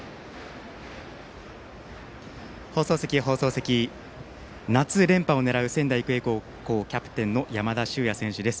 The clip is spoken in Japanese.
放送席、夏連覇を狙う仙台育英高校キャプテンの山田脩也選手です。